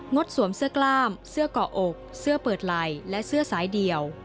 ดสวมเสื้อกล้ามเสื้อเกาะอกเสื้อเปิดไหล่และเสื้อสายเดี่ยว